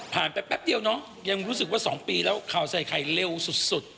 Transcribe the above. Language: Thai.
ไปแป๊บเดียวเนาะยังรู้สึกว่า๒ปีแล้วข่าวใส่ไข่เร็วสุด